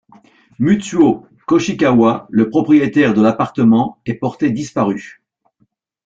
Mutsuo Koshikawa, le propriétaire de l'appartement est porté disparu.